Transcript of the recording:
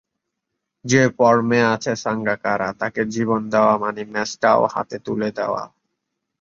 যেমন ফর্মে আছেন সাঙ্গাকারা, তাঁকে জীবন দেওয়া মানে ম্যাচটাও হাতে তুলে দেওয়া।